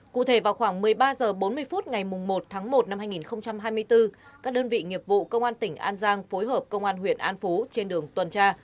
cụ thể vào khoảng một mươi ba h bốn mươi phút ngày một tháng một năm hai nghìn hai mươi bốn các đơn vị nghiệp vụ công an tỉnh an giang phối hợp công an huyện an phú trên đường tuần tra